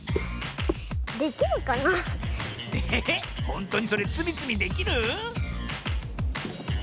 ほんとにそれつみつみできる？